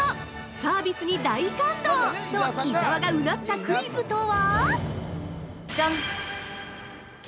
サービスに大感動！」と伊沢がうなったクイズとは！？